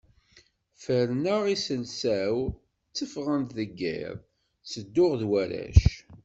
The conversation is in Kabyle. Ferrneɣ iselsa-w, tteffɣeɣ deg yiḍ, ttedduɣ d warrac.